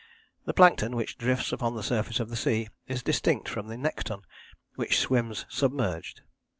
The plankton, which drifts upon the surface of the sea, is distinct from the nekton, which swims submerged.